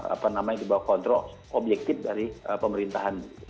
apa namanya dibawa kontrol objektif dari pemerintahan